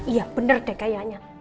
iya bener deh kayaknya